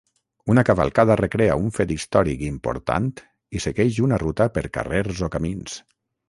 Una cavalcada recrea un fet històric important i segueix una ruta per carrers o camins.